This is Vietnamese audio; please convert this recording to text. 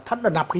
thân là nạp khí